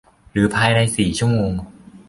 หรือภายใน สี่ ชั่วโมง